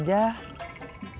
gak usah beli